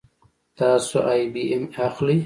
تاسو آی بي ایم اخلئ